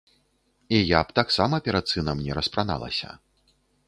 І я б таксама перад сынам не распраналася.